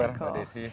apa kabar mbak desi